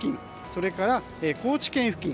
それから高知県付近。